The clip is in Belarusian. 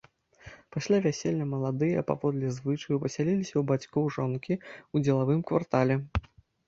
Пасля вяселля маладыя, паводле звычаю, пасяліліся ў бацькоў жонкі, у дзелавым квартале.